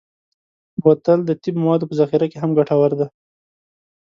بوتل د طب موادو په ذخیره کې هم ګټور دی.